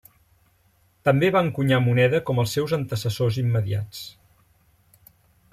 També va encunyar moneda com els seus antecessors immediats.